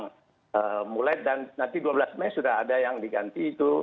sudah mulai dan nanti dua belas mei sudah ada yang diganti itu